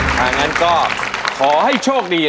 ไม่ใช่